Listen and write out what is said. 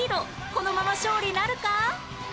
このまま勝利なるか？